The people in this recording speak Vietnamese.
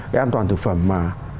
cái an toàn thực phẩm mà